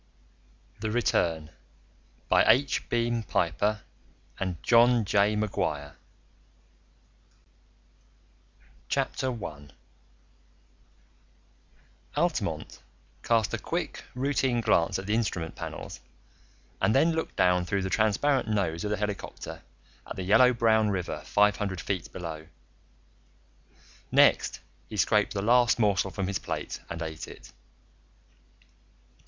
THE RETURN by H. Beam Piper and John J. McGuire I Altamont cast a quick, routine glance at the instrument panels and then looked down through the transparent nose of the helicopter at the yellow brown river five hundred feet below. Next he scraped the last morsel from his plate and ate it.